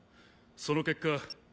その結果。